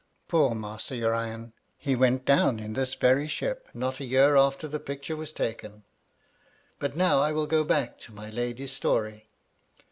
Poor Master Urian ! he went down in this very ship not a year after the picture was taken ! But now I wiU go back to my lady's story.